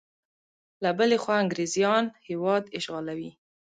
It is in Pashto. له بلې خوا انګریزیان هیواد اشغالوي.